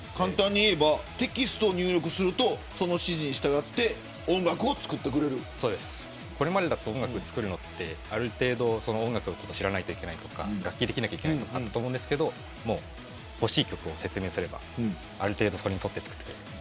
テキストを入力するとその指示に従ってこれまでだと音楽を作るのってある程度、音楽のことを知らないといけないとか楽器ができないとというのがありましたが欲しい曲を説明すればある程度それに沿って作ってくれる。